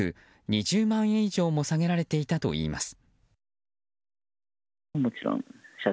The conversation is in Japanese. ２０万円以上も下げられていたといいます。